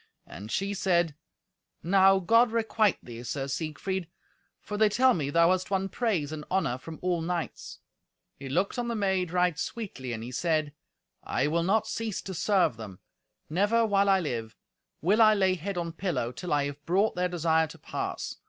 And she said, "Now, God requite thee, Sir Siegfried, for they tell me thou hast won praise and honour from all knights." He looked on the maid right sweetly, and he said, "I will not cease to serve them. Never, while I live, will I lay head on pillow, till I have brought their desire to pass.